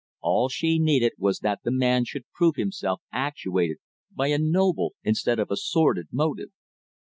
All she needed was that the man should prove himself actuated by a noble, instead of a sordid, motive.